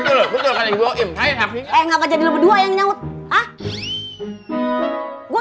kamu dipercaya sama dia pada kabur